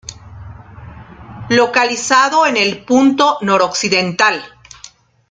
Localizado en el punto noroccidental.